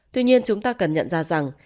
tuy nhiên chúng ta cần nhận ra rằng